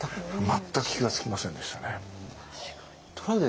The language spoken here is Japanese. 全く気が付きませんでしたね。